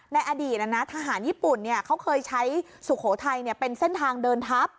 ในอดีตนะนะทหารญี่ปุ่นเนี่ยเขาเคยใช้สุโขทัยเนี่ยเป็นเส้นทางเดินทัพ